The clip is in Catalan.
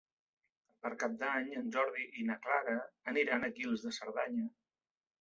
Per Cap d'Any en Jordi i na Clara aniran a Guils de Cerdanya.